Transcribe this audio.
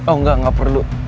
oh enggak gak perlu